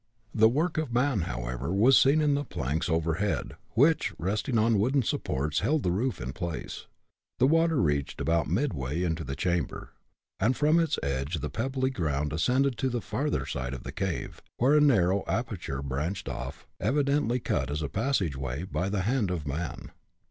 The work of man, however, was seen in the planks overhead, which, resting on wooden supports, held the roof in place. The water reached about midway into the chamber, and from its edge the pebbly ground ascended to the farther side of the cave, where a narrow aperture branched off evidently cut as a passageway by the hand of man.